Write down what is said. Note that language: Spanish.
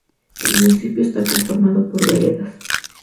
El municipio está conformado por veredas.